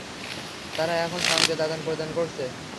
তারা এখনও সংকেত আদান-প্রদান করছে।